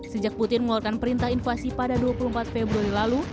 sejak putin mengeluarkan perintah invasi pada dua puluh empat februari lalu